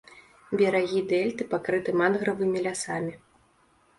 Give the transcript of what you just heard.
Берагі дэльты пакрыты мангравымі лясамі.